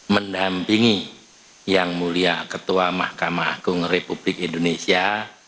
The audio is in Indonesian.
mendampingi yang mulia ketua mahkamah agung republik indonesia